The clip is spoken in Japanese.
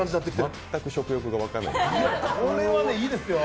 全く食欲が湧かない。